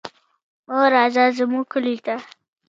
مه راځه زموږ کلي ته.